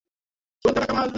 নিজেকে নিজে মারাও শালা অবৈধ।